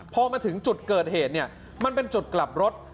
พอมาถึงจุดเกิดเหตุเนี่ยมันเป็นจุดกลับรถ